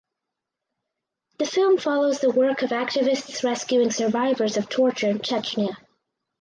The film follows the work of activists rescuing survivors of torture in Chechnya.